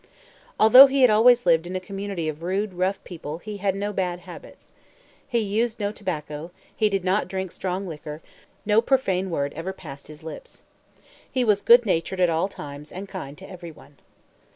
Although he had always lived in a community of rude, rough people, he had no bad habits. He used no tobacco; he did not drink strong liquor; no profane word ever passed his lips. He was good natured at all times, and kind to every one.